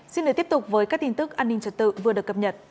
xin để tiếp tục với các tin tức an ninh trật tự vừa được cập nhật